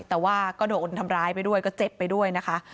แต่ว่าก็โดนทำร้ายไปด้วยก็เจ็บไปด้วยนะคะ